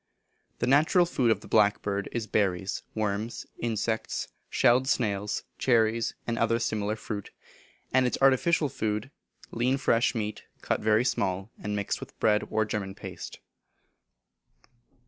The natural food of the blackbird is berries, worms, insects, shelled snails, cherries, and other similar fruit; and its artificial food, lean fresh meat, cut very small, and mixed with bread, or German paste.